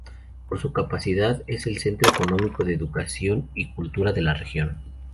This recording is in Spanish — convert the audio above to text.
Por su capitalidad, es el centro económico, de educación y cultura de la región.